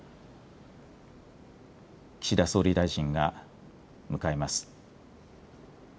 岸田総理大臣が迎えます。